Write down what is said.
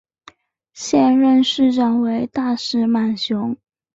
现任市长为大石满雄。